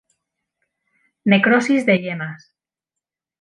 Necrosis de yemas.